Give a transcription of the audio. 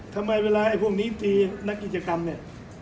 ทำไมเวลาไอ้พวกนี้ตีนักกิจกรรมเนี่ย